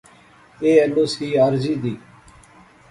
ایہہ ایل او سی عارضی دی